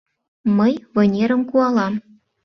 Мый вынерым куалам».